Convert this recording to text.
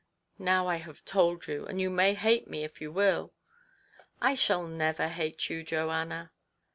Now I have told you, and you may hate me if you will !"" I shall never hate you, Joanna."